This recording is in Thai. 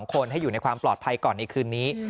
และก็ลูกทั้ง๒คนให้อยู่ในความปลอดภัยก่อนอีกคืนนี้